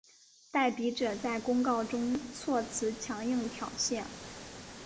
代笔者在公告中措辞强硬挑衅。